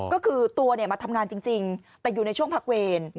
ก็คือตัวมาทำงานจริงแต่อยู่ในช่วงพักเวร